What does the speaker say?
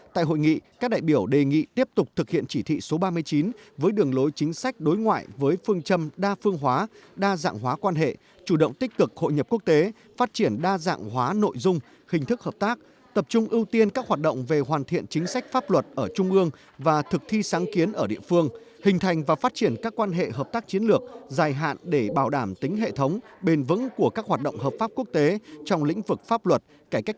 tại hội nghị các đại biểu đề nghị tiếp tục thực hiện chỉ thị số ba mươi chín với đường lối chính sách đối ngoại với phương châm đa phương hóa đa dạng hóa quan hệ chủ động tích cực hội nhập quốc tế phát triển đa dạng hóa nội dung hình thức hợp tác tập trung ưu tiên các hoạt động về hoàn thiện chính sách pháp luật ở trung ương và thực thi sáng kiến ở địa phương hình thành và phát triển các quan hệ hợp tác chiến lược dài hạn để bảo đảm tính hệ thống bền vững của các hoạt động hợp pháp quốc tế trong lĩnh vực pháp luật cải cách h